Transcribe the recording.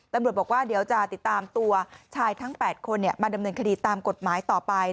ตำรวจบอกว่าเดี๋ยวจะติดตามตัวชายทั้ง๘คนมาดำเนินคดีตามกฎหมายต่อไป